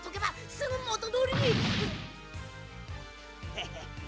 「ヘヘッ。